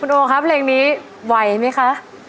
คุณโอค่ะเพลงนี้ไหวไหมคะ